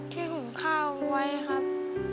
ที่หุ่มข้าวไว้ครับ